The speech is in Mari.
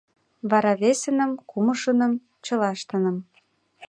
Вара весыным, кумшыным, чылаштыным...